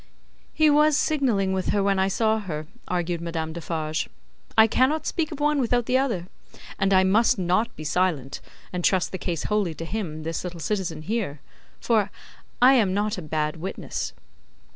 "He was signalling with her when I saw her," argued Madame Defarge; "I cannot speak of one without the other; and I must not be silent, and trust the case wholly to him, this little citizen here. For, I am not a bad witness."